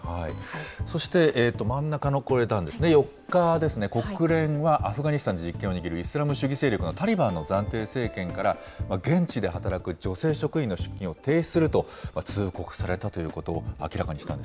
そして真ん中のこれなんですね、４日ですね、国連はアフガニスタンで実権を握るイスラム主義勢力のタリバンの暫定政権から、現地で働く女性職員の出勤を停止すると通告されたということを明